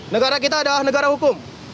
negara kita adalah negara hukum